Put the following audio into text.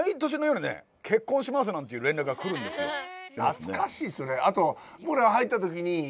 なつかしいっすよね。